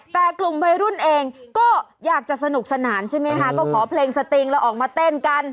แต่กลุ่มวัยรุ่นเองก็อยากจะสนุกสนานใช่ไหมคะก็ขอเพลงสติงแล้วออกมาเต้นกัน